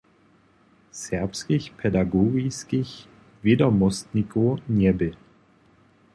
Serbskich pedagogiskich wědomostnikow njebě.